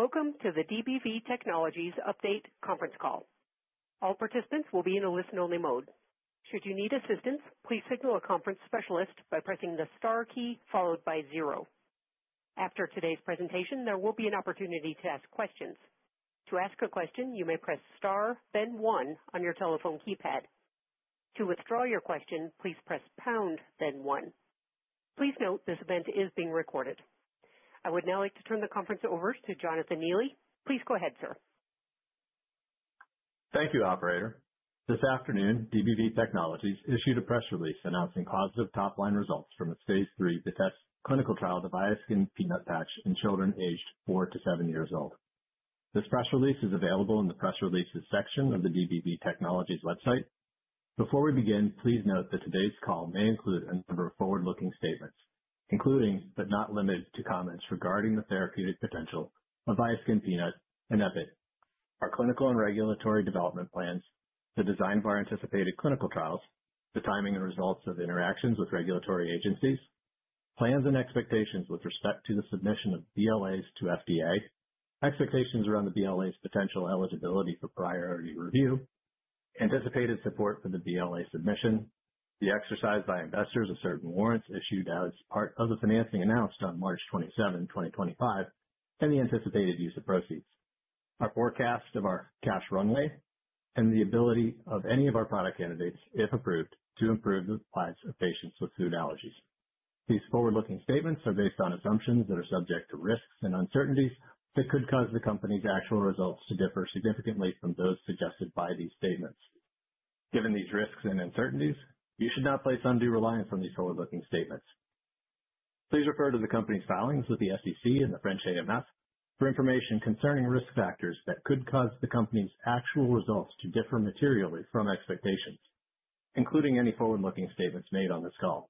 Welcome to the DBV Technologies Update conference call. All participants will be in a listen-only mode. Should you need assistance, please signal a conference specialist by pressing the star key followed by zero. After today's presentation, there will be an opportunity to ask questions. To ask a question, you may press star, then one on your telephone keypad. To withdraw your question, please press pound, then one. Please note this event is being recorded. I would now like to turn the conference over to Jonathan Neely. Please go ahead, sir. Thank you, Operator. This afternoon, DBV Technologies issued a press release announcing positive top-line results from its phase III VITESSE clinical trial of the VIASKIN Peanut patch in children aged four to seven years old. This press release is available in the press releases section of the DBV Technologies website. Before we begin, please note that today's call may include a number of forward-looking statements, including, but not limited to, comments regarding the therapeutic potential of VIASKIN Peanut and EPIT, our clinical and regulatory development plans, the design of our anticipated clinical trials, the timing and results of interactions with regulatory agencies, plans and expectations with respect to the submission of BLAs to FDA, expectations around the BLA's potential eligibility for priority review, anticipated support for the BLA submission, the exercise by investors of certain warrants issued as part of the financing announced on March 27, 2025, and the anticipated use of proceeds, our forecast of our cash runway, and the ability of any of our product candidates, if approved, to improve the lives of patients with food allergies. These forward-looking statements are based on assumptions that are subject to risks and uncertainties that could cause the company's actual results to differ significantly from those suggested by these statements. Given these risks and uncertainties, you should not place undue reliance on these forward-looking statements. Please refer to the company's filings with the SEC and the French AMF for information concerning risk factors that could cause the company's actual results to differ materially from expectations, including any forward-looking statements made on this call.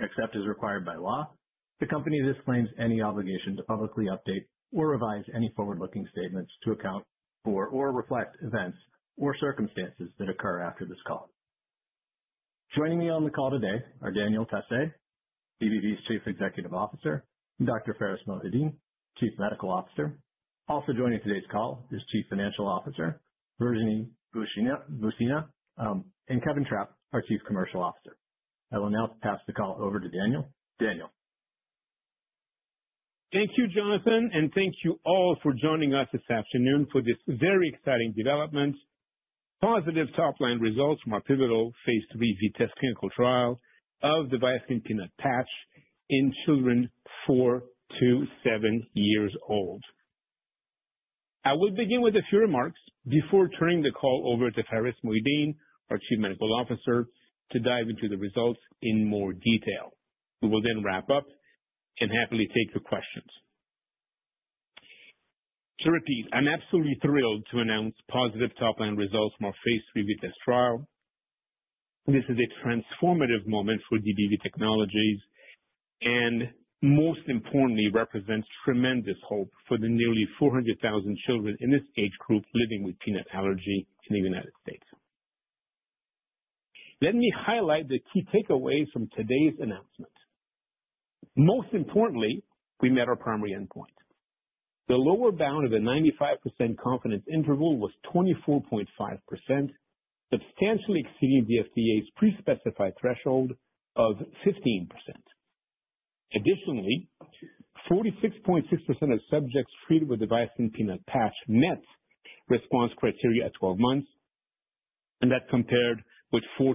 Except as required by law, the company disclaims any obligation to publicly update or revise any forward-looking statements to account for or reflect events or circumstances that occur after this call. Joining me on the call today are Daniel Tassé, DBV's Chief Executive Officer, and Dr. Pharis Mohideen, Chief Medical Officer. Also joining today's call is Chief Financial Officer, Virginie Boucinha, and Kevin Trapp, our Chief Commercial Officer. I will now pass the call over to Daniel. Daniel. Thank you, Jonathan, and thank you all for joining us this afternoon for this very exciting development: positive top-line results from our pivotal phase III VITESSE clinical trial of the VIASKIN Peanut patch in children four to seven years old. I will begin with a few remarks before turning the call over to Pharis Mohideen, our Chief Medical Officer, to dive into the results in more detail. We will then wrap up and happily take your questions. To repeat, I'm absolutely thrilled to announce positive top-line results from our phase III VITESSE trial. This is a transformative moment for DBV Technologies and, most importantly, represents tremendous hope for the nearly 400,000 children in this age group living with peanut allergy in the United States. Let me highlight the key takeaways from today's announcement. Most importantly, we met our primary endpoint. The lower bound of the 95% confidence interval was 24.5%, substantially exceeding the FDA's pre-specified threshold of 15%. Additionally, 46.6% of subjects treated with the VIASKIN Peanut patch met response criteria at 12 months, and that compared with 14.8%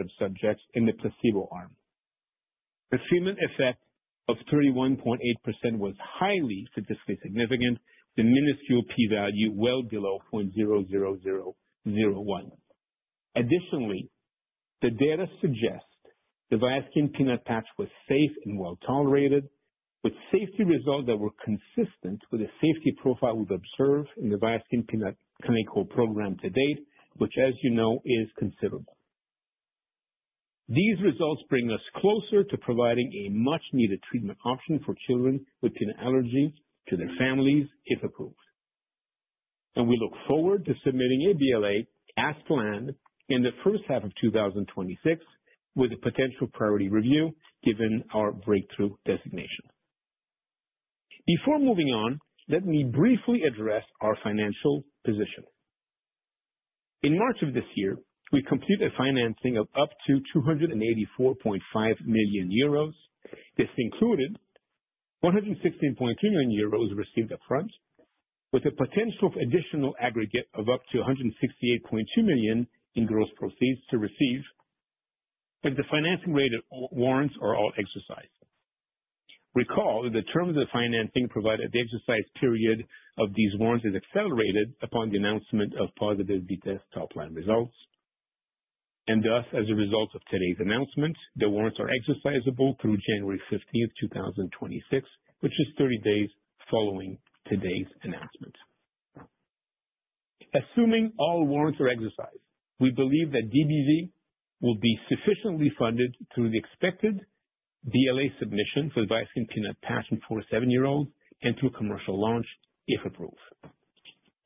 of subjects in the placebo arm. The treatment effect of 31.8% was highly statistically significant, with a minuscule p-value well below 0.00001. Additionally, the data suggest the VIASKIN Peanut patch was safe and well tolerated, with safety results that were consistent with the safety profile we've observed in the VIASKIN Peanut clinical program to date, which, as you know, is considerable. These results bring us closer to providing a much-needed treatment option for children with peanut allergy to their families, if approved, and we look forward to submitting a BLA as planned in the first half of 2026, with a potential priority review given our breakthrough designation. Before moving on, let me briefly address our financial position. In March of this year, we completed financing of up to 284.5 million euros. This included 116.3 million euros received upfront, with a potential additional aggregate of up to 168.2 million in gross proceeds to receive if the financing-related warrants are all exercised. Recall that the terms of the financing provided at the exercise period of these warrants are accelerated upon the announcement of positive VITESSE top-line results. And thus, as a result of today's announcement, the warrants are exercisable through January 15, 2026, which is 30 days following today's announcement. Assuming all warrants are exercised, we believe that DBV will be sufficiently funded through the expected BLA submission for the VIASKIN Peanut patch in four to seven-year-olds and through commercial launch, if approved.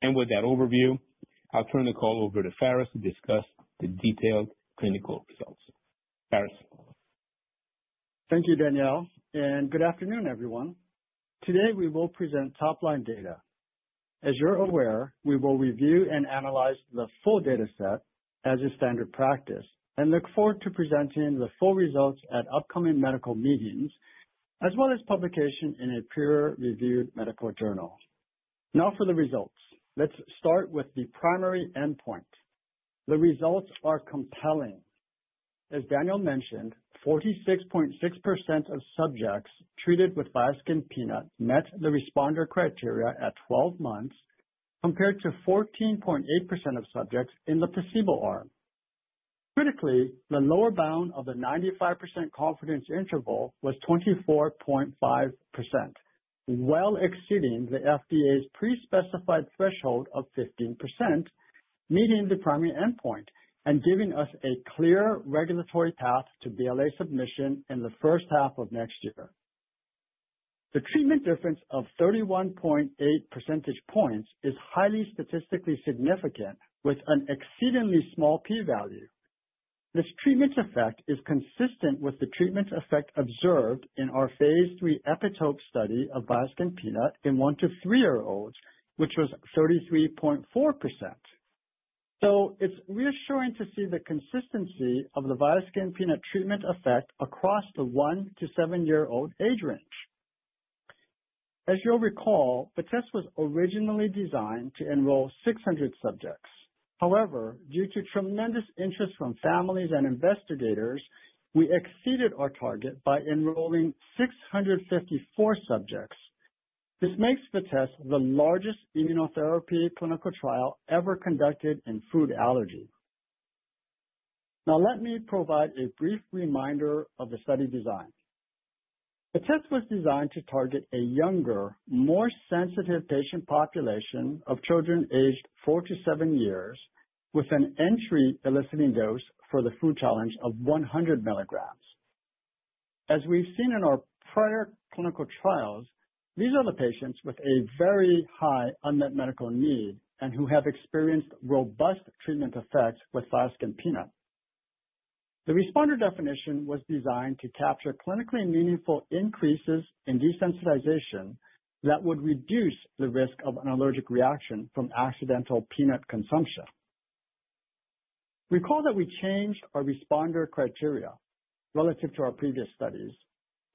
With that overview, I'll turn the call over to Pharis to discuss the detailed clinical results. Pharis. Thank you, Daniel, and good afternoon, everyone. Today, we will present top-line data. As you're aware, we will review and analyze the full dataset as is standard practice and look forward to presenting the full results at upcoming medical meetings, as well as publication in a peer-reviewed medical journal. Now for the results. Let's start with the primary endpoint. The results are compelling. As Daniel mentioned, 46.6% of subjects treated with VIASKIN Peanut met the responder criteria at 12 months, compared to 14.8% of subjects in the placebo arm. Critically, the lower bound of the 95% confidence interval was 24.5%, well exceeding the FDA's pre-specified threshold of 15%, meeting the primary endpoint and giving us a clear regulatory path to BLA submission in the first half of next year. The treatment difference of 31.8 percentage points is highly statistically significant, with an exceedingly small p-value. This treatment effect is consistent with the treatment effect observed in our phase III EPITOPE study of VIASKIN Peanut in one to three-year-olds, which was 33.4%, so it's reassuring to see the consistency of the VIASKIN Peanut treatment effect across the one to seven-year-old age range. As you'll recall, the trial was originally designed to enroll 600 subjects. However, due to tremendous interest from families and investigators, we exceeded our target by enrolling 654 subjects. This makes the trial the largest immunotherapy clinical trial ever conducted in food allergy. Now, let me provide a brief reminder of the study design. The trial was designed to target a younger, more sensitive patient population of children aged four to seven years, with an entry eliciting dose for the food challenge of 100 mg. As we've seen in our prior clinical trials, these are the patients with a very high unmet medical need and who have experienced robust treatment effects with VIASKIN Peanut. The responder definition was designed to capture clinically meaningful increases in desensitization that would reduce the risk of an allergic reaction from accidental peanut consumption. Recall that we changed our responder criteria relative to our previous studies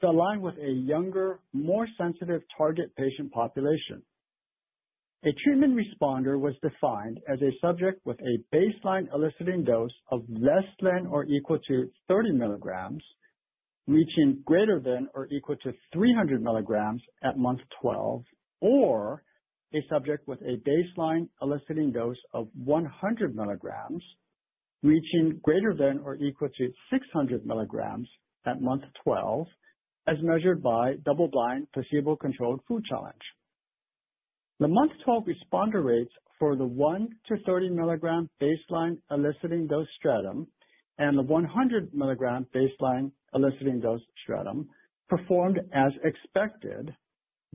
to align with a younger, more sensitive target patient population. A treatment responder was defined as a subject with a baseline eliciting dose of less than or equal to 30 mg, reaching greater than or equal to 300 mg at month 12, or a subject with a baseline eliciting dose of 100 mg, reaching greater than or equal to 600 mg at month 12, as measured by double-blind placebo-controlled food challenge. The month 12 responder rates for the 1 mg-30 mg baseline eliciting dose stratum and the 100 mg baseline eliciting dose stratum performed as expected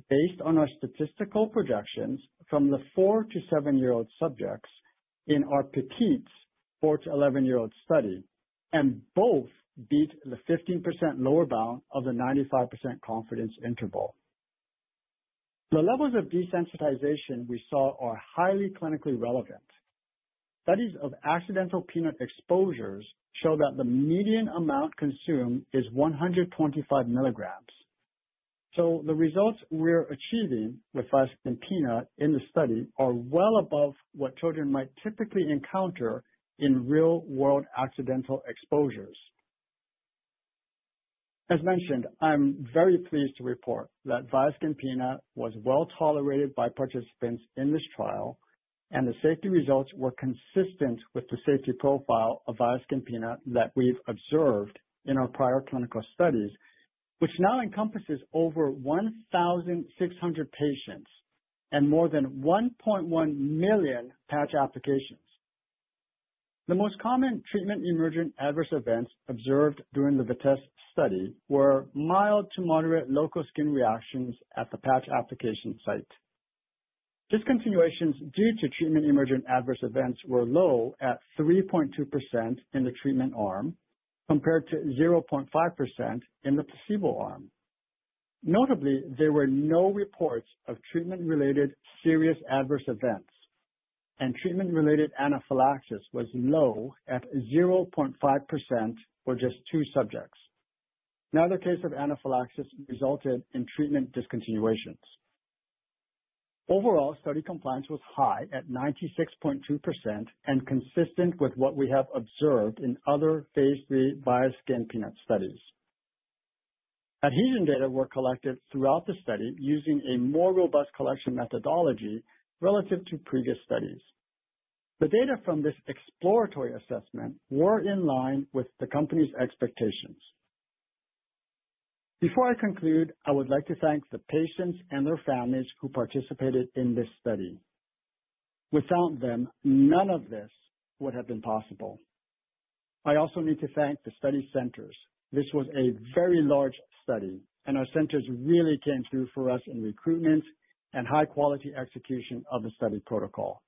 based on our statistical projections from the four- to seven-year-old subjects in our PEPITES four to 11-year-old study, and both beat the 15% lower bound of the 95% confidence interval. The levels of desensitization we saw are highly clinically relevant. Studies of accidental peanut exposures show that the median amount consumed is 125 mg. So the results we're achieving with VIASKIN Peanut in the study are well above what children might typically encounter in real-world accidental exposures. As mentioned, I'm very pleased to report that VIASKIN Peanut was well tolerated by participants in this trial, and the safety results were consistent with the safety profile of VIASKIN Peanut that we've observed in our prior clinical studies, which now encompasses over 1,600 patients and more than 1.1 million patch applications. The most common treatment-emergent adverse events observed during the VITESSE study were mild to moderate local skin reactions at the patch application site. Discontinuations due to treatment-emergent adverse events were low at 3.2% in the treatment arm compared to 0.5% in the placebo arm. Notably, there were no reports of treatment-related serious adverse events, and treatment-related anaphylaxis was low at 0.5% for just two subjects. Neither case of anaphylaxis resulted in treatment discontinuations. Overall, study compliance was high at 96.2% and consistent with what we have observed in other phase III VIASKIN Peanut studies. Adhesion data were collected throughout the study using a more robust collection methodology relative to previous studies. The data from this exploratory assessment were in line with the company's expectations. Before I conclude, I would like to thank the patients and their families who participated in this study. Without them, none of this would have been possible. I also need to thank the study centers. This was a very large study, and our centers really came through for us in recruitment and high-quality execution of the study protocol.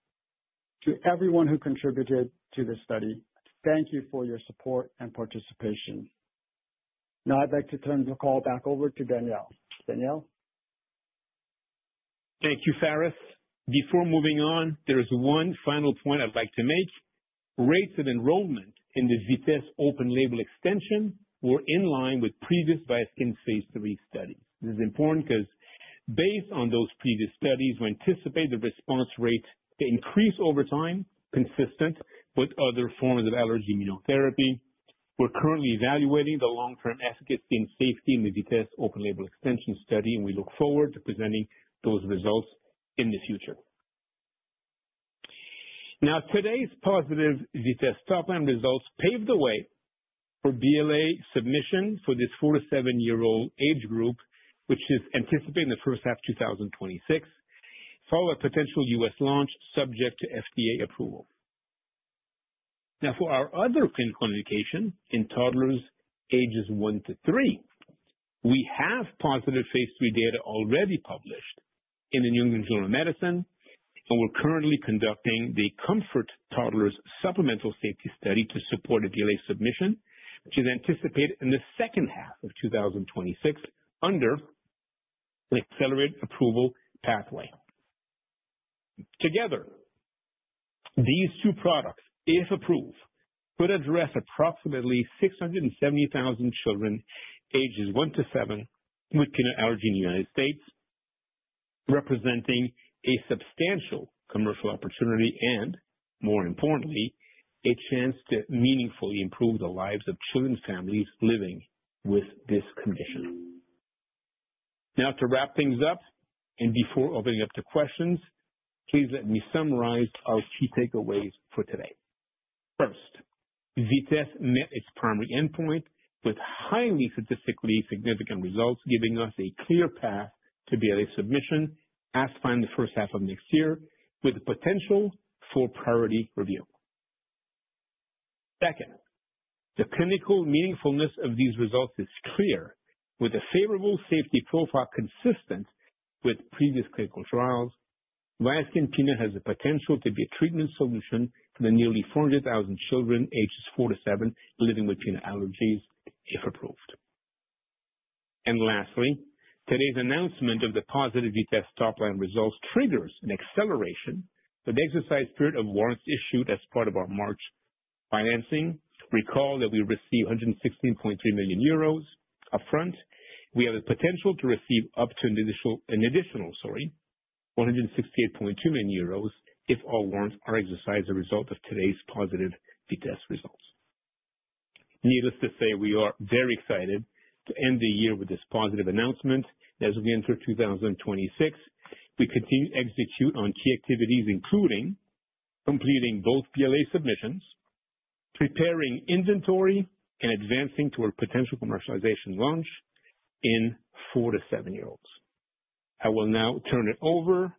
To everyone who contributed to this study, thank you for your support and participation. Now, I'd like to turn the call back over to Daniel. Daniel? Thank you, Pharis. Before moving on, there is one final point I'd like to make. Rates of enrollment in the VITESSE open-label extension were in line with previous VIASKIN phase III studies. This is important because, based on those previous studies, we anticipate the response rate to increase over time, consistent with other forms of allergy immunotherapy. We're currently evaluating the long-term efficacy and safety in the VITESSE open-label extension study, and we look forward to presenting those results in the future. Now, today's positive VITESSE top-line results paved the way for BLA submission for this four to seven-year-old age group, which is anticipated in the first half of 2026, followed by potential U.S. launch subject to FDA approval. Now, for our other clinical indication in toddlers ages one to three, we have positive phase III data already published in the New England Journal of Medicine, and we're currently conducting the COMFORT Toddlers Supplemental Safety Study to support a BLA submission, which is anticipated in the second half of 2026 under an accelerated approval pathway. Together, these two products, if approved, could address approximately 670,000 children ages one to seven with peanut allergy in the United States, representing a substantial commercial opportunity and, more importantly, a chance to meaningfully improve the lives of children's families living with this condition. Now, to wrap things up, and before opening up to questions, please let me summarize our key takeaways for today. First, VITESSE met its primary endpoint with highly statistically significant results, giving us a clear path to BLA submission as planned in the first half of next year, with the potential for priority review. Second, the clinical meaningfulness of these results is clear, with a favorable safety profile consistent with previous clinical trials. VIASKIN Peanut has the potential to be a treatment solution for the nearly 400,000 children ages four to seven living with peanut allergies, if approved. And lastly, today's announcement of the positive VITESSE top-line results triggers an acceleration for the exercise period of warrants issued as part of our March financing. Recall that we received 116.3 million euros upfront. We have the potential to receive up to an additional, sorry, 168.2 million euros, if all warrants are exercised as a result of today's positive VITESSE results. Needless to say, we are very excited to end the year with this positive announcement. As we enter 2026, we continue to execute on key activities, including completing both BLA submissions, preparing inventory, and advancing toward potential commercialization launch in four to seven-year-olds. I will now turn it over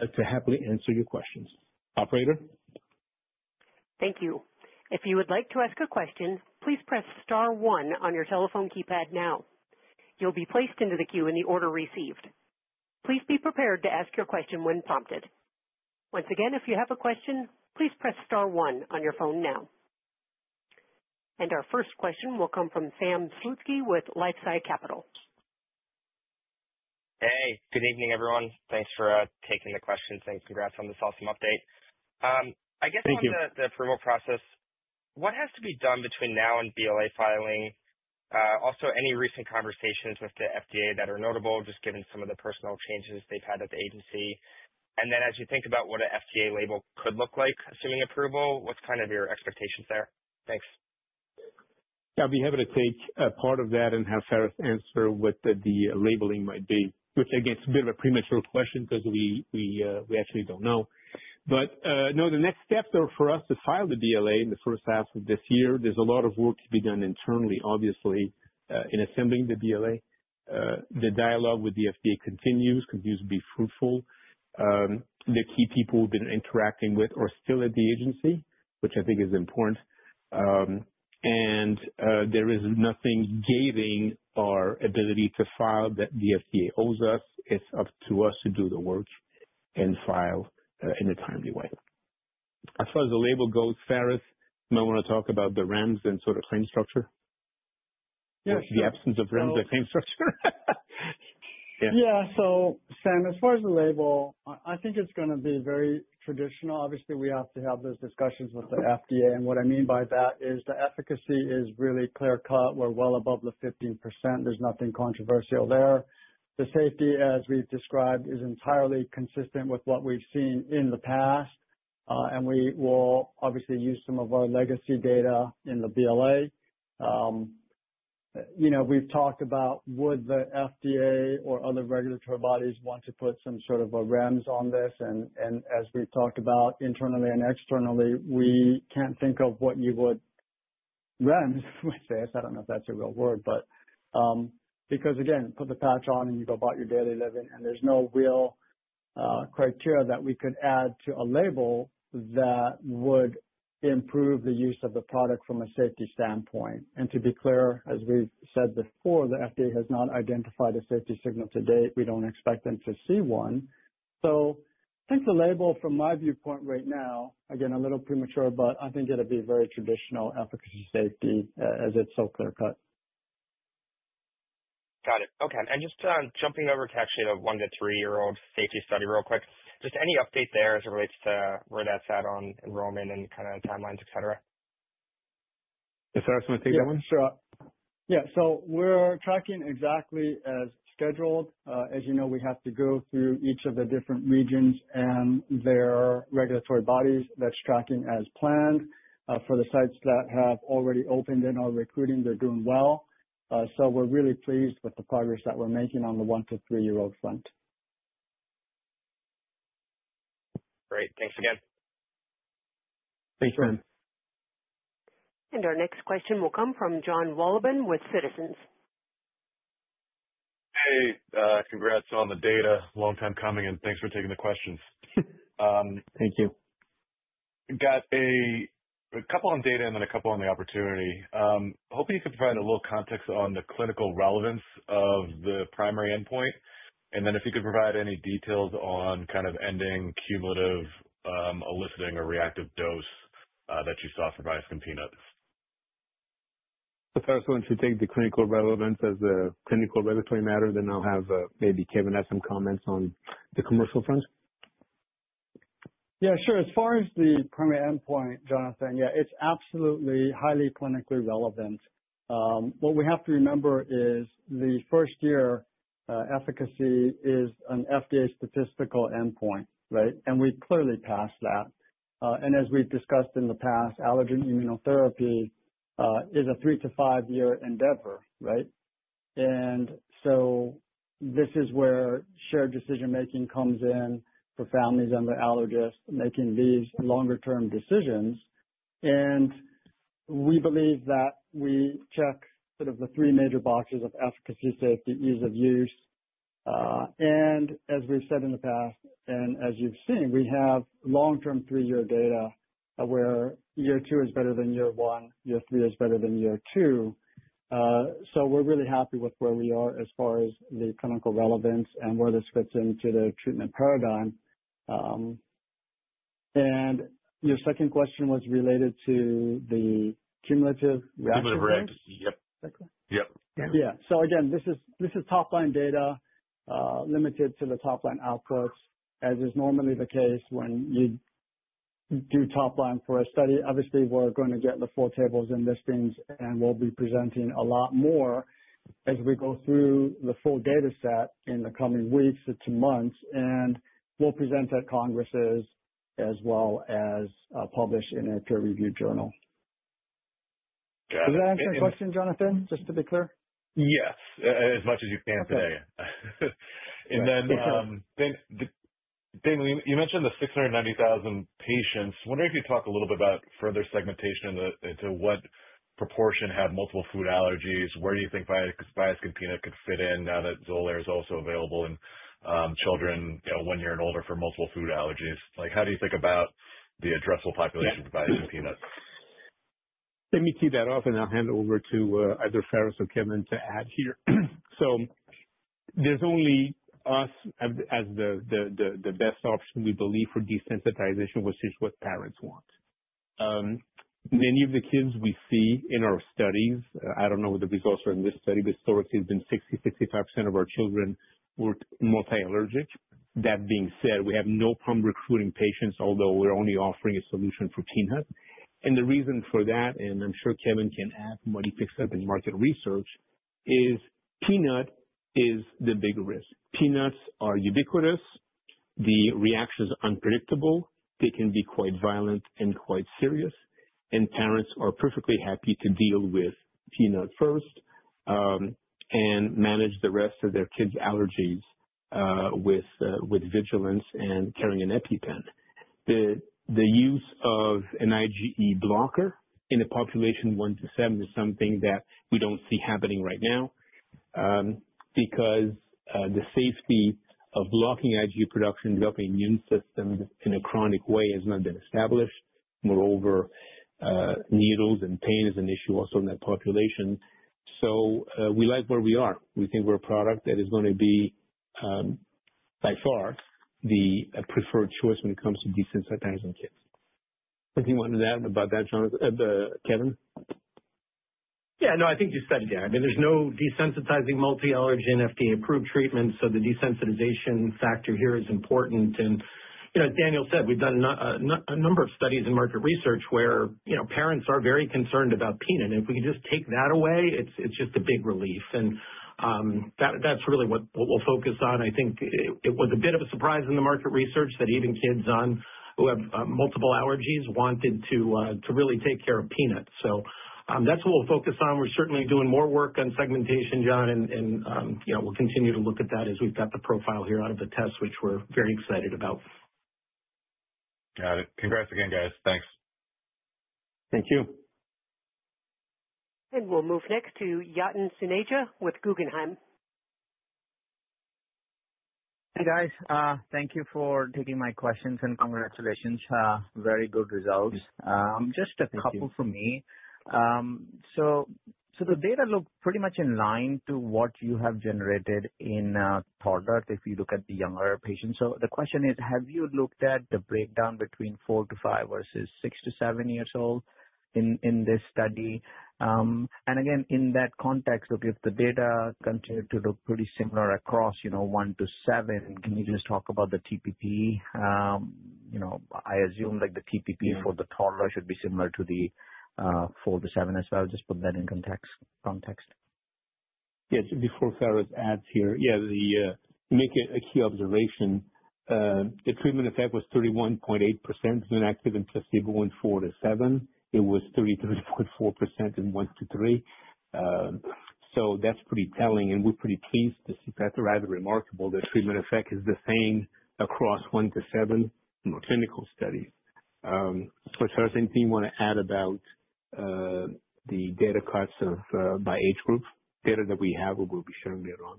to happily answer your questions. Operator? Thank you. If you would like to ask a question, please press star one on your telephone keypad now. You'll be placed into the queue in the order received. Please be prepared to ask your question when prompted. Once again, if you have a question, please press star one on your phone now, and our first question will come from Sam Slutsky with LifeSci Capital. Hey, good evening, everyone. Thanks for taking the questions. And congrats on this awesome update. I guess. Thank you. About the approval process, what has to be done between now and BLA filing? Also, any recent conversations with the FDA that are notable, just given some of the personal changes they've had at the agency? And then, as you think about what an FDA label could look like, assuming approval, what's kind of your expectations there? Thanks. I'll be happy to take part of that and have Pharis answer what the labeling might be, which, again, is a bit of a premature question because we actually don't know. But no, the next steps are for us to file the BLA in the first half of this year. There's a lot of work to be done internally, obviously, in assembling the BLA. The dialogue with the FDA continues to be fruitful. The key people we've been interacting with are still at the agency, which I think is important. And there is nothing gating our ability to file that the FDA owes us. It's up to us to do the work and file in a timely way. As far as the label goes, Pharis, you might want to talk about the REMS and sort of claim structure? Yes. The absence of REMS and claim structure. Yeah. So, Sam, as far as the label, I think it's going to be very traditional. Obviously, we have to have those discussions with the FDA. And what I mean by that is the efficacy is really clear-cut. We're well above the 15%. There's nothing controversial there. The safety, as we've described, is entirely consistent with what we've seen in the past. And we will obviously use some of our legacy data in the BLA. We've talked about, would the FDA or other regulatory bodies want to put some sort of a REMS on this? As we've talked about internally and externally, we can't think of what you would REMS, which I don't know if that's a real word, but because, again, put the patch on and you go about your daily living, and there's no real criteria that we could add to a label that would improve the use of the product from a safety standpoint. And to be clear, as we've said before, the FDA has not identified a safety signal to date. We don't expect them to see one. So I think the label, from my viewpoint right now, again, a little premature, but I think it'll be very traditional efficacy safety as it's so clear-cut. Got it. Okay. Just jumping over to actually the one to three-year-old safety study real quick, just any update there as it relates to where that's at on enrollment and kind of timelines, etc.? Pharis, do you want to take that one? Sure. Yeah. So we're tracking exactly as scheduled. As you know, we have to go through each of the different regions and their regulatory bodies that's tracking as planned. For the sites that have already opened and are recruiting, they're doing well. So we're really pleased with the progress that we're making on the one to three-year-old front. Great. Thanks again. Thanks, Sam. Our next question will come from Jon Wolleben with Citizens. Hey. Congrats on the data. Long time coming, and thanks for taking the questions. Thank you. Got a couple on data and then a couple on the opportunity. Hoping you could provide a little context on the clinical relevance of the primary endpoint, and then if you could provide any details on kind of ending cumulative eliciting or reactive dose that you saw for VIASKIN Peanut. Pharis, why don't you take the clinical relevance as a clinical regulatory matter, then I'll have maybe Kevin have some comments on the commercial front. Yeah, sure. As far as the primary endpoint, Jonathan, yeah, it's absolutely highly clinically relevant. What we have to remember is the first-year efficacy is an FDA statistical endpoint, right? And we've clearly passed that. And as we've discussed in the past, allergen immunotherapy is a three to five-year endeavor, right? And so this is where shared decision-making comes in for families and the allergists making these longer-term decisions. And we believe that we check sort of the three major boxes of efficacy, safety, ease of use. And as we've said in the past, and as you've seen, we have long-term three-year data where year two is better than year one, year three is better than year two. So we're really happy with where we are as far as the clinical relevance and where this fits into the treatment paradigm. And your second question was related to the cumulative reactive. Cumulative reactive dose, yep. Yep. Yeah. So again, this is top-line data limited to the top-line outputs, as is normally the case when you do top-line for a study. Obviously, we're going to get the full tables and listings, and we'll be presenting a lot more as we go through the full data set in the coming weeks to months. And we'll present at congresses as well as publish in a peer-reviewed journal. Got it. Does that answer your question, Jonathan, just to be clear? Yes. As much as you can today. And then, Daniel, you mentioned the 690,000 patients. I wonder if you'd talk a little bit about further segmentation into what proportion have multiple food allergies. Where do you think VIASKIN Peanut could fit in now that Xolair is also available in children one year and older for multiple food allergies? How do you think about the addressable population for VIASKIN Peanut? Let me tee that off, and I'll hand it over to either Pharis or Kevin to add here. So there's only us as the best option, we believe, for desensitization, which is what parents want. Many of the kids we see in our studies. I don't know what the results are in this study, but historically, it's been 60%-65% of our children were multi-allergic. That being said, we have no problem recruiting patients, although we're only offering a solution for peanut. And the reason for that, and I'm sure Kevin can add from what he picks up in market research, is peanut is the big risk. Peanuts are ubiquitous. The reaction is unpredictable. They can be quite violent and quite serious. And parents are perfectly happy to deal with peanut first and manage the rest of their kids' allergies with vigilance and carrying an EpiPen. The use of an IgE blocker in a population one to seven is something that we don't see happening right now because the safety of blocking IgE production and developing immune systems in a chronic way has not been established. Moreover, needles and pain is an issue also in that population. So we like where we are. We think we're a product that is going to be, by far, the preferred choice when it comes to desensitizing kids. Anything you want to add about that, Kevin? Yeah. No, I think you said it, Daniel. I mean, there's no desensitizing multi-allergen FDA-approved treatment, so the desensitization factor here is important, and as Daniel said, we've done a number of studies in market research where parents are very concerned about peanut, and if we can just take that away, it's just a big relief, and that's really what we'll focus on. I think it was a bit of a surprise in the market research that even kids who have multiple allergies wanted to really take care of peanut, so that's what we'll focus on. We're certainly doing more work on segmentation, Jonn, and we'll continue to look at that as we've got the profile here out of the test, which we're very excited about. Got it. Congrats again, guys. Thanks. Thank you. We'll move next to Yatin Suneja with Guggenheim. Hey, guys. Thank you for taking my questions and congratulations. Very good results. Just a couple for me. So the data look pretty much in line to what you have generated in toddler if you look at the younger patients. So the question is, have you looked at the breakdown between four to five versus six to seven years old in this study? And again, in that context, if the data continue to look pretty similar across one to seven, can you just talk about the TPP? I assume the TPP for the toddler should be similar to the four to seven as well. Just put that in context. Yeah. Just before Pharis adds here, yeah, to make a key observation, the treatment effect was 31.8% in active and placebo in four to seven. It was 33.4% in one to three. So that's pretty telling, and we're pretty pleased to see that. Rather remarkable. The treatment effect is the same across one to seven in our clinical studies. But Pharis, anything you want to add about the data cuts by age group? Data that we have we'll be sharing later on.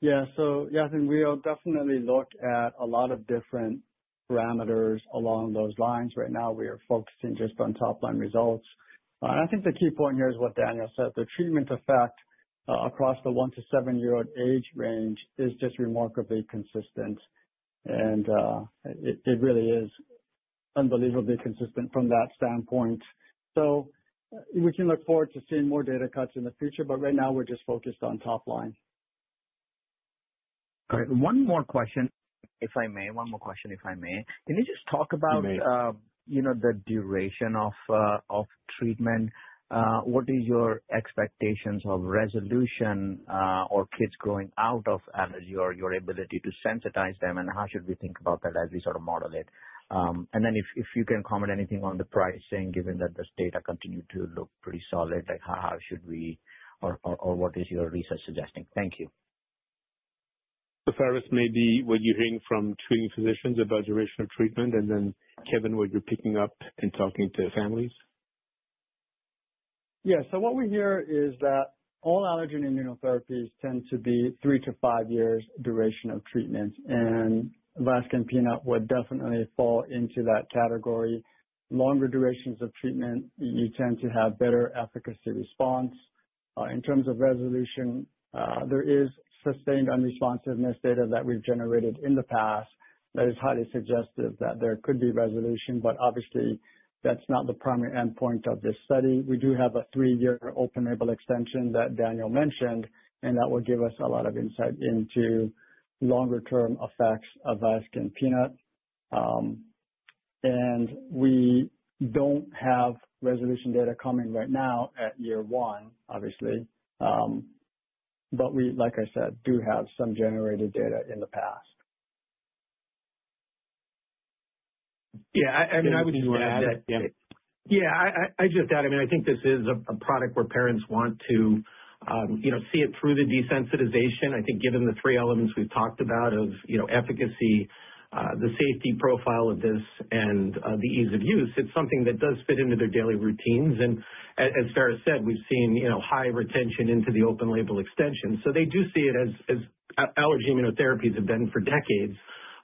Yeah, so Yatin, we'll definitely look at a lot of different parameters along those lines. Right now, we are focusing just on top-line results, and I think the key point here is what Daniel said. The treatment effect across the one to seven-year-old age range is just remarkably consistent, and it really is unbelievably consistent from that standpoint, so we can look forward to seeing more data cuts in the future, but right now, we're just focused on top-line. All right. One more question. If I may, one more question, if I may. Can you just talk about the duration of treatment? What are your expectations of resolution or kids growing out of allergy or your ability to sensitize them, and how should we think about that as we sort of model it? And then if you can comment anything on the pricing, given that this data continued to look pretty solid, how should we or what is your research suggesting? Thank you. So Pharis, maybe what you're hearing from treating physicians about duration of treatment, and then Kevin, what you're picking up in talking to families? Yeah. So what we hear is that all allergen immunotherapies tend to be three to five years duration of treatment. And VIASKIN Peanut would definitely fall into that category. Longer durations of treatment, you tend to have better efficacy response. In terms of resolution, there is sustained unresponsiveness data that we've generated in the past that is highly suggestive that there could be resolution, but obviously, that's not the primary endpoint of this study. We do have a three-year open-label extension that Daniel mentioned, and that will give us a lot of insight into longer-term effects of VIASKIN Peanut. And we don't have resolution data coming right now at year one, obviously, but we, like I said, do have some generated data in the past. Yeah. I mean, I would just add that. Yeah. I just add, I mean, I think this is a product where parents want to see it through the desensitization. I think given the three elements we've talked about of efficacy, the safety profile of this, and the ease of use, it's something that does fit into their daily routines. And as Pharis said, we've seen high retention into the open-label extension. So they do see it as allergy immunotherapies have been for decades,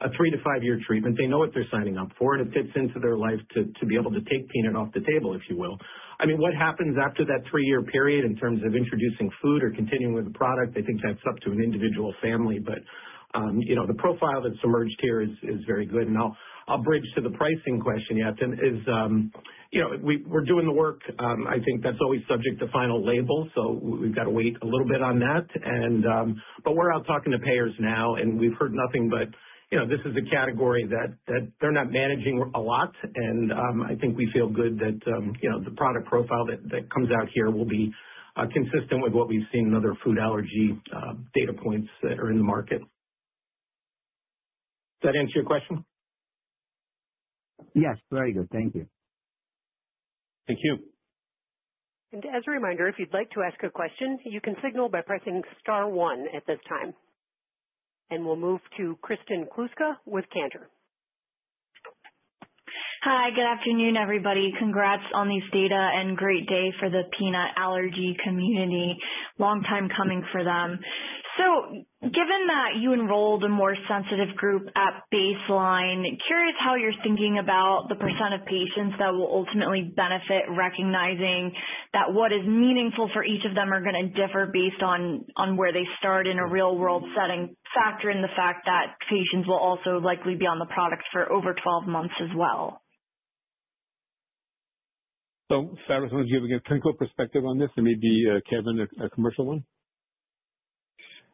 a three to five-year treatment. They know what they're signing up for, and it fits into their life to be able to take peanut off the table, if you will. I mean, what happens after that three-year period in terms of introducing food or continuing with the product? I think that's up to an individual family, but the profile that's emerged here is very good. And I'll bridge to the pricing question, Yatin, as we're doing the work. I think that's always subject to final label, so we've got to wait a little bit on that. But we're out talking to payers now, and we've heard nothing but this is a category that they're not managing a lot. And I think we feel good that the product profile that comes out here will be consistent with what we've seen in other food allergy data points that are in the market. Does that answer your question? Yes. Very good. Thank you. Thank you. And as a reminder, if you'd like to ask a question, you can signal by pressing star one at this time. And we'll move to Kristen Kluska with Cantor. Hi. Good afternoon, everybody. Congrats on these data and great day for the peanut allergy community. Long time coming for them. So given that you enrolled a more sensitive group at baseline, curious how you're thinking about the percent of patients that will ultimately benefit, recognizing that what is meaningful for each of them are going to differ based on where they start in a real-world setting, factor in the fact that patients will also likely be on the product for over 12 months as well. So Pharis, want to give a clinical perspective on this, and maybe Kevin, a commercial one?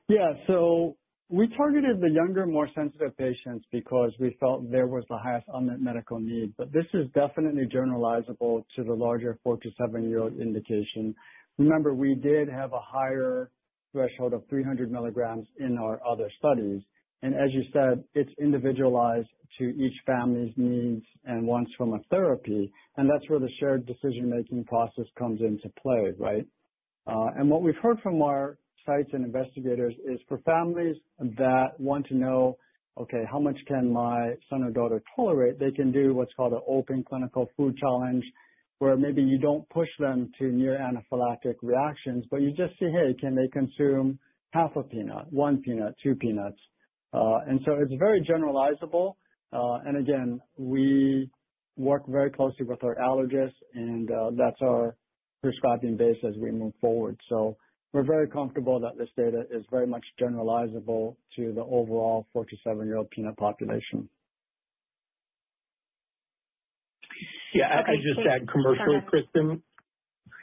Yeah. So we targeted the younger, more sensitive patients because we felt there was the highest unmet medical need. But this is definitely generalizable to the larger four to seven-year-old indication. Remember, we did have a higher threshold of 300 mg in our other studies. And as you said, it's individualized to each family's needs and wants from a therapy. And that's where the shared decision-making process comes into play, right? And what we've heard from our sites and investigators is for families that want to know, "Okay, how much can my son or daughter tolerate?" They can do what's called an open clinical food challenge where maybe you don't push them to near-anaphylactic reactions, but you just see, "Hey, can they consume half a peanut, one peanut, two peanuts?" And so it's very generalizable. Again, we work very closely with our allergists, and that's our prescribing base as we move forward. So we're very comfortable that this data is very much generalizable to the overall four to seven-year-old peanut population. Yeah. I'll just add commercially, Kristen.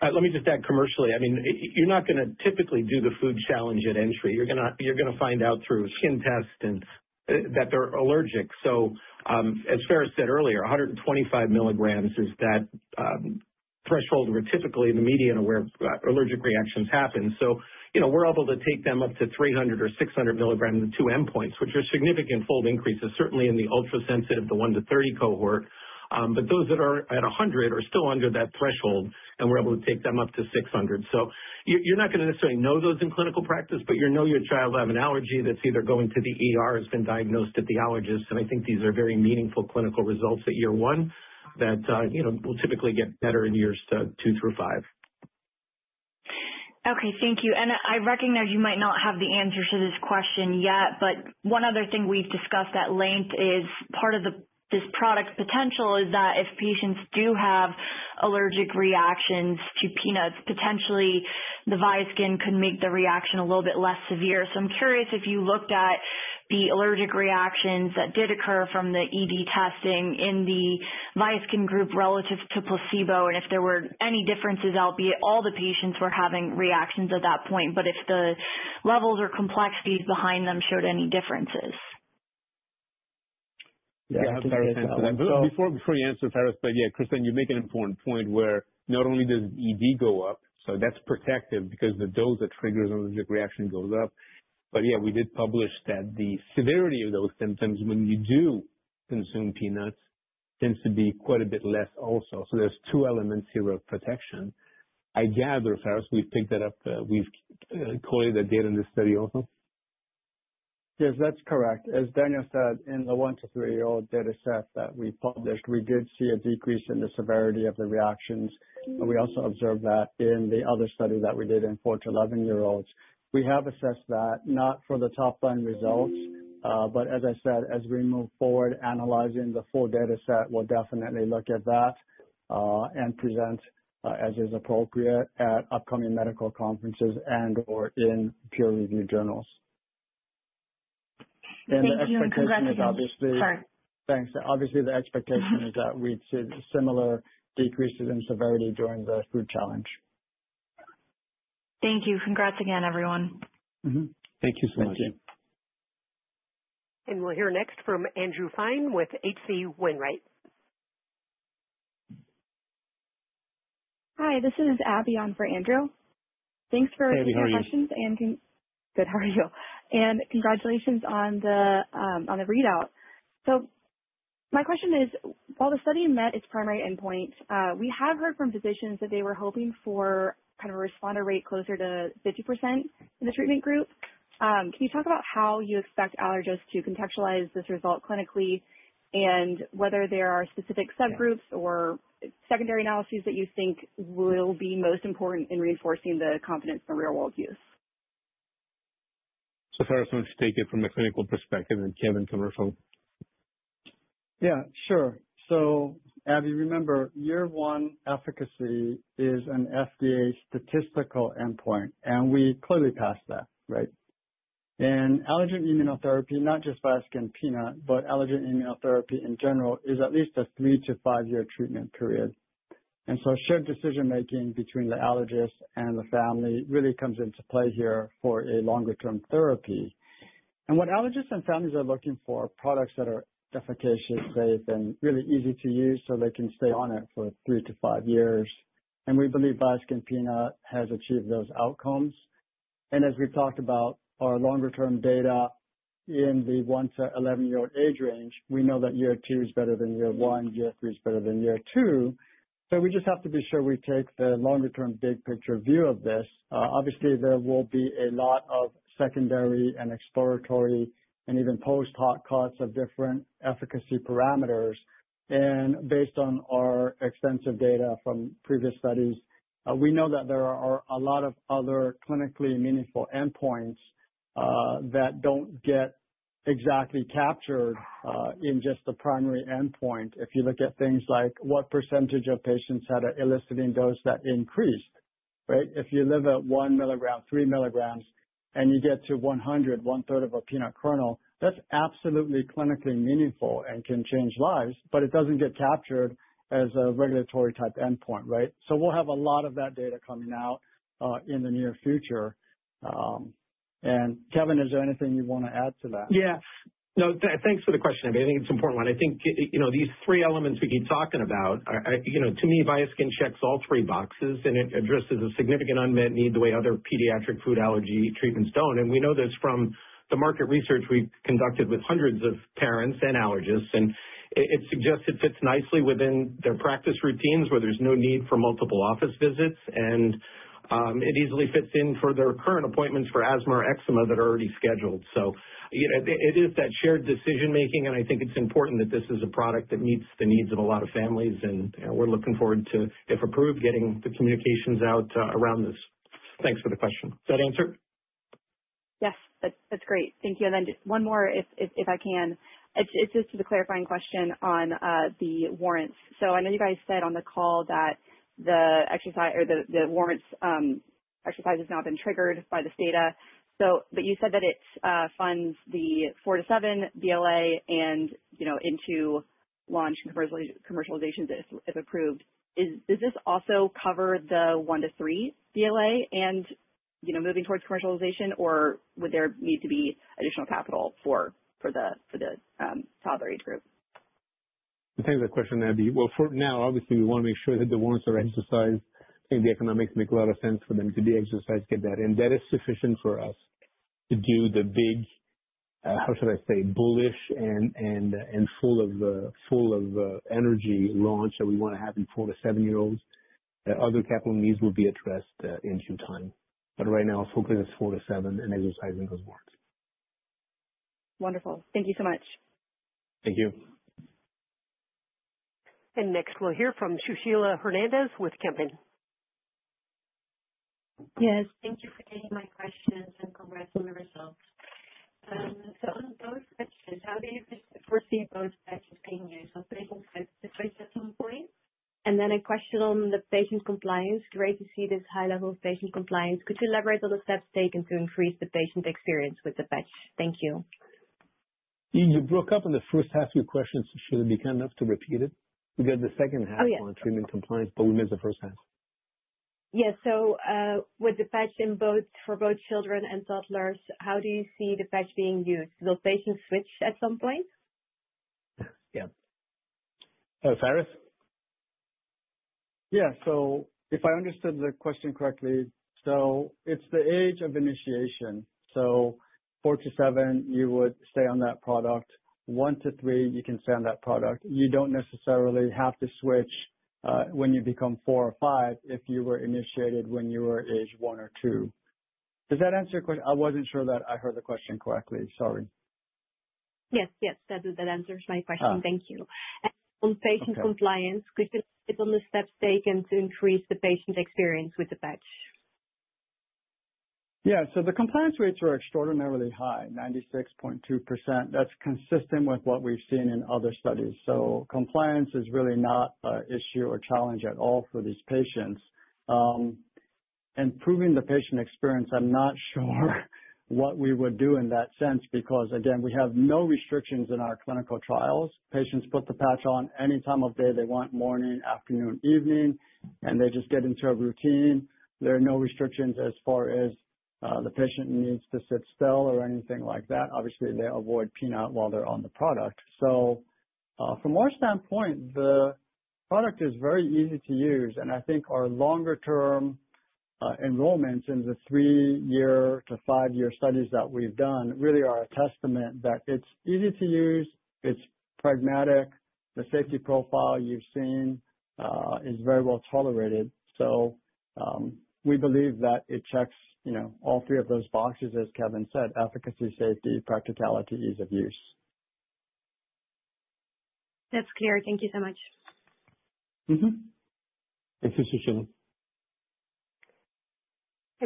Let me just add commercially. I mean, you're not going to typically do the food challenge at entry. You're going to find out through skin tests that they're allergic. So as Pharis said earlier, 125 mg is that threshold where typically the median of where allergic reactions happen. So we're able to take them up to 300 mg or 600 mg at two endpoints, which are significant fold increases, certainly in the ultra-sensitive, the 1-30 cohort. But those that are at 100 mg are still under that threshold, and we're able to take them up to 600 mg. So you're not going to necessarily know those in clinical practice, but you know your child will have an allergy that's either going to the has been diagnosed at the allergist. I think these are very meaningful clinical results at year one that will typically get better in years two through five. Okay. Thank you. And I recognize you might not have the answer to this question yet, but one other thing we've discussed at length is part of this product's potential is that if patients do have allergic reactions to peanuts, potentially the VIASKIN Peanut could make the reaction a little bit less severe. So I'm curious if you looked at the allergic reactions that did occur from the ED testing in the VIASKIN Peanut group relative to placebo and if there were any differences, albeit all the patients were having reactions at that point, but if the levels or complexities behind them showed any differences. Yeah. I have a very simple one. So before you answer, Pharis, but yeah, Kristen, you make an important point where not only does ED go up, so that's protective because the dose that triggers an allergic reaction goes up. But yeah, we did publish that the severity of those symptoms when you do consume peanuts tends to be quite a bit less also. So there's two elements here of protection. I gather, Pharis, we picked that up. We've collated that data in this study also. Yes, that's correct. As Daniel said, in the one to three-year-old data set that we published, we did see a decrease in the severity of the reactions. We also observed that in the other study that we did in four to 11-year-olds. We have assessed that, not for the top-line results, but as I said, as we move forward, analyzing the full data set, we'll definitely look at that and present as is appropriate at upcoming medical conferences and/or in peer-reviewed journals. And the expectation is obviously. Sorry. Thanks. Obviously, the expectation is that we'd see similar decreases in severity during the food challenge. Thank you. Congrats again, everyone. Thank you so much. Thank you. And we'll hear next from Andrew Fein with H.C. Wainwright. Hi. This is Abby on for Andrew. Thanks for taking the questions. Hey, how are you? Good. How are you? Congratulations on the readout. So my question is, while the study met its primary endpoint, we have heard from physicians that they were hoping for kind of a responder rate closer to 50% in the treatment group. Can you talk about how you expect allergists to contextualize this result clinically and whether there are specific subgroups or secondary analyses that you think will be most important in reinforcing the confidence in the real-world use? So Pharis wants to take it from a clinical perspective, and Kevin, commercial. Yeah. Sure. So Abby, remember, year one efficacy is an FDA statistical endpoint, and we clearly passed that, right? And allergen immunotherapy, not just VIASKIN Peanut, but allergen immunotherapy in general is at least a three to five-year treatment period. And so shared decision-making between the allergist and the family really comes into play here for a longer-term therapy. And what allergists and families are looking for are products that are efficacious, safe, and really easy to use so they can stay on it for three to five years. And we believe VIASKIN Peanut has achieved those outcomes. And as we've talked about our longer-term data in the one to 11-year-old age range, we know that year two is better than year one, year three is better than year two. So we just have to be sure we take the longer-term big picture view of this. Obviously, there will be a lot of secondary and exploratory and even post-hoc cuts of different efficacy parameters. And based on our extensive data from previous studies, we know that there are a lot of other clinically meaningful endpoints that don't get exactly captured in just the primary endpoint. If you look at things like what percentage of patients had an eliciting dose that increased, right? If you live at 1 mg, 3 mg, and you get to 100 mg, 1/3 of a peanut kernel, that's absolutely clinically meaningful and can change lives, but it doesn't get captured as a regulatory type endpoint, right? So we'll have a lot of that data coming out in the near future. And Kevin, is there anything you want to add to that? Yeah. No, thanks for the question, Abby. I think it's an important one. I think these three elements we keep talking about, to me, VIASKIN Peanut checks all three boxes, and it addresses a significant unmet need the way other pediatric food allergy treatments don't, and we know this from the market research we've conducted with hundreds of parents and allergists, and it suggests it fits nicely within their practice routines where there's no need for multiple office visits, and it easily fits in for their current appointments for asthma or eczema that are already scheduled, so it is that shared decision-making, and I think it's important that this is a product that meets the needs of a lot of families, and we're looking forward to, if approved, getting the communications out around this. Thanks for the question. Is that answered? Yes. That's great. Thank you. And then just one more, if I can. It's just a clarifying question on the warrants. So I know you guys said on the call that the warrants exercise has now been triggered by this data. But you said that it funds the four to seven BLA and into launch commercialization if approved. Does this also cover the one to three BLA and moving towards commercialization, or would there need to be additional capital for the toddler age group? I think the question, Abby, well, for now, obviously, we want to make sure that the warrants are exercised. I think the economics make a lot of sense for them to be exercised, get that. And that is sufficient for us to do the big, how should I say, bullish and full of energy launch that we want to have in four to seven-year-olds. Other capital needs will be addressed in due time. But right now, our focus is four to seven and exercising those warrants. Wonderful. Thank you so much. Thank you. Next, we'll hear from Sushila Hernandez with Kempen. Yes. Thank you for taking my questions and congrats on the results. So, on those questions, how do you foresee those patches being used on patients with sickness at some point? And then a question on the patient compliance. Great to see this high level of patient compliance. Could you elaborate on the steps taken to increase the patient experience with the patch? Thank you. You broke up in the first half of your question, Sushila. Be kind enough to repeat it. We got the second half on treatment compliance, but we missed the first half. Yes. So with the patch for both children and toddlers, how do you see the patch being used? Will patients switch at some point? Yeah. Pharis? Yeah. So if I understood the question correctly, so it's the age of initiation. So four to seven, you would stay on that product. One to three, you can stay on that product. You don't necessarily have to switch when you become four or five if you were initiated when you were age one or two. Does that answer your question? I wasn't sure that I heard the question correctly. Sorry. Yes. Yes. That answers my question. Thank you, and on patient compliance, could you elaborate on the steps taken to increase the patient experience with the patch? Yeah. So the compliance rates were extraordinarily high, 96.2%. That's consistent with what we've seen in other studies. So compliance is really not an issue or challenge at all for these patients. And proving the patient experience, I'm not sure what we would do in that sense because, again, we have no restrictions in our clinical trials. Patients put the patch on any time of day they want: morning, afternoon, evening, and they just get into a routine. There are no restrictions as far as the patient needs to sit still or anything like that. Obviously, they avoid peanut while they're on the product. So from our standpoint, the product is very easy to use. And I think our longer-term enrollments in the three-year to five-year studies that we've done really are a testament that it's easy to use, it's pragmatic. The safety profile you've seen is very well tolerated. So we believe that it checks all three of those boxes, as Kevin said: efficacy, safety, practicality, ease of use. That's clear. Thank you so much. Thank you, Sushila.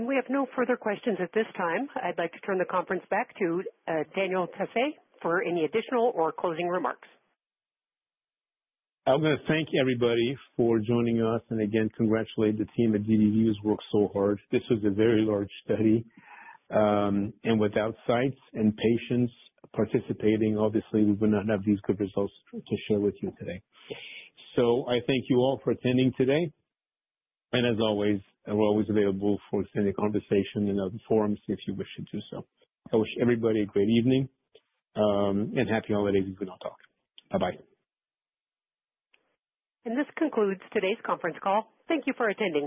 We have no further questions at this time. I'd like to turn the conference back to Daniel Tassé for any additional or closing remarks. I want to thank everybody for joining us and again congratulate the team at DBV who has worked so hard. This was a very large study and without sites and patients participating, obviously, we would not have these good results to share with you today, so I thank you all for attending today and as always, we're always available for extended conversation in other forums if you wish to do so. I wish everybody a great evening and happy holidays if we don't talk. Bye-bye. This concludes today's conference call. Thank you for attending.